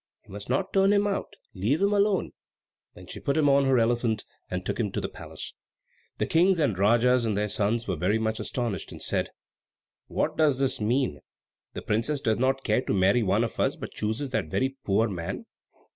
You must not turn him out. Leave him alone." Then she put him on her elephant, and took him to the palace. The Kings and Rajas and their sons were very much astonished, and said, "What does this mean? The princess does not care to marry one of us, but chooses that very poor man!"